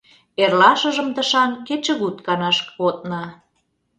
Эрлашыжым тышан кечыгут канаш кодна.